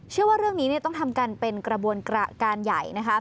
เชื่อว่าเรื่องนี้ต้องทำกันเป็นกระบวนการใหญ่นะคะ